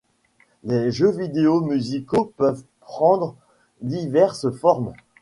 Les jeux vidéo musicaux peuvent prendre diverses formes.